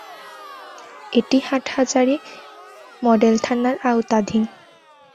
এটি হাটহাজারী মডেল থানার আওতাধীন।